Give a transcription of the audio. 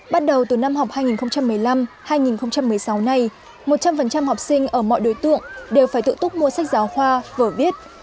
bắt đầu từ năm học hai nghìn một mươi năm hai nghìn một mươi sáu này một trăm linh học sinh ở mọi đối tượng đều phải tự túc mua sách giáo khoa vở viết